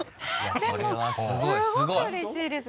でもすごくうれしいです。